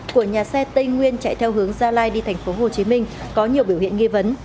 của nhà xe tây nguyên chạy theo hướng gia lai đi thành phố hồ chí minh có nhiều biểu hiện nghi vấn